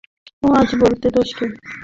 কেন, আজ বলতে দোষ কী?